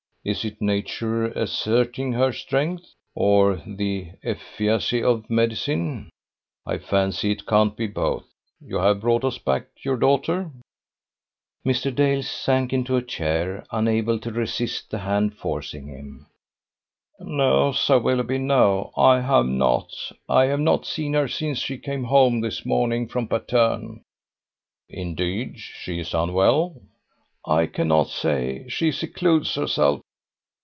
Is it nature asserting her strength? or the efficacy of medicine? I fancy it can't be both. You have brought us back your daughter?" Mr. Dale sank into a chair, unable to resist the hand forcing him. "No, Sir Willoughby, no. I have not; I have not seen her since she came home this morning from Patterne." "Indeed? She is unwell?" "I cannot say. She secludes herself."